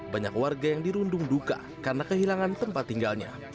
banyak warga yang dirundung duka karena kehilangan tempat tinggalnya